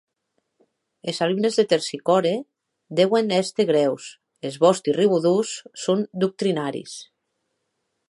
Es alumnes de Tersicore deuen èster grèus, es vòsti rigodons son doctrinaris.